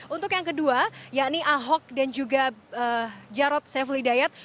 untuk yang kedua yakni ahok dan juga jarod sevelidayat